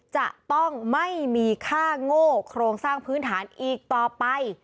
จะต้องไม่มีค่าโง่โครงสร้างพื้นฐานอีกต่อไป